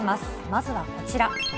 まずはこちら。